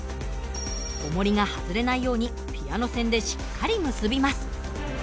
おもりが外れないようにピアノ線でしっかり結びます。